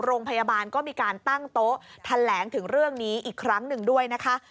โรงพยาบาลก็มีการตั้งโต๊ะแถลงถึงเรื่องนี้อีกครั้งหนึ่งด้วยนะคะ